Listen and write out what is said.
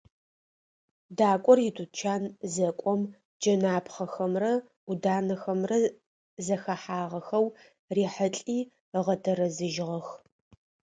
Дакӏор итучан зэкӏом, джэнапхъэхэмрэ ӏуданэхэмрэ зэхэхьагъэхэу рихьылӏи ыгъэтэрэзыжьыгъэх.